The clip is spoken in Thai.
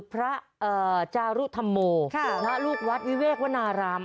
พระเอ่อจารุธัมโมค่ะพระลูกวัดวิเวกวนาราม